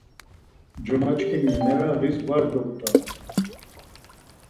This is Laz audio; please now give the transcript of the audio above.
Cumaçkimi merağis var dobut̆alem.